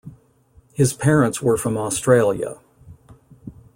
His parents were from Australia.